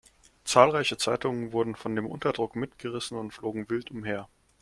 Zahlreiche Zeitungen wurden von dem Unterdruck mitgerissen und flogen wild umher.